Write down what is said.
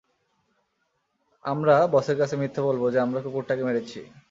আমরা বসের কাছে মিথ্যা বলব যে আমরা কুকুরটাকে মেরেছি!